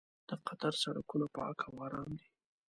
د قطر سړکونه پاک او ارام دي.